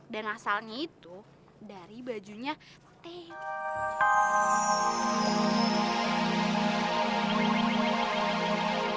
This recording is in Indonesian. dan asalnya itu dari bajunya theo